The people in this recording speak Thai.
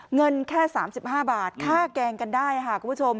เงินแค่๓๕บาทค่าแกงกันได้ค่ะคุณผู้ชม